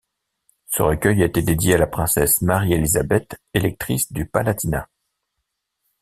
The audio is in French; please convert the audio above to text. Ce recueil a été dédié à la princesse Marie Élisabeth, Électrice du Palatinat.